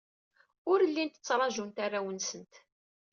Ur llint ttajjant arraw-nsent.